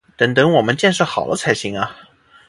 得等我们建设好了才行啊